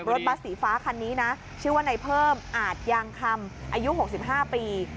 บัสสีฟ้าคันนี้นะชื่อว่าในเพิ่มอาจยางคำอายุ๖๕ปี